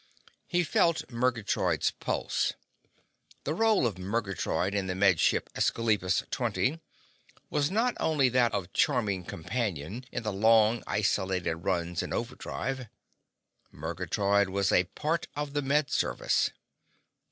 He felt Murgatroyd's pulse. The role of Murgatroyd in the Med Ship Esclipus Twenty was not only that of charming companion in the long, isolated runs in overdrive. Murgatroyd was a part of the Med Service.